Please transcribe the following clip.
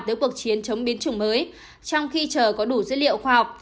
tới cuộc chiến chống biến chủng mới trong khi chờ có đủ dữ liệu khoa học